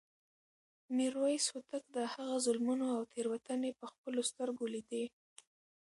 میرویس هوتک د هغه ظلمونه او تېروتنې په خپلو سترګو لیدې.